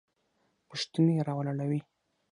پوښتنې راولاړوي.